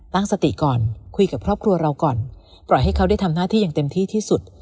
ตั้งสติก่อนคุยกับครอบครัวเราก่อนปล่อยให้เขาได้ทำหน้าที่อย่างเต็มที่ที่สุด